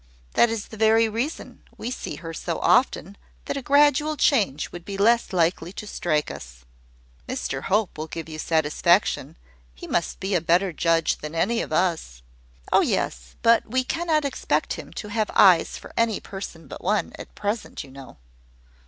"That is the very reason: we see her so often, that a gradual change would be less likely to strike us." "Mr Hope will give you satisfaction: he must be a better judge than any of us." "Oh, yes; but we cannot expect him to have eyes for any person but one, at present, you know."